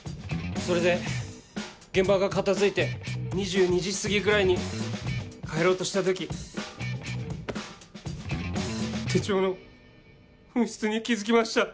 それで現場が片付いて２２時過ぎぐらいに帰ろうとした時手帳の紛失に気付きました。